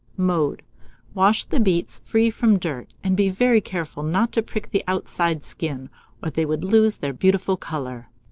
Mode. Wash the beets free from dirt, and be very careful not to prick the outside skin, or they would lose their beautiful colour.